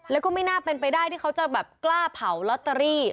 แล้วก็ไม่น่าเป็นไปได้ที่เขาจะแบบกล้าเผาลอตเตอรี่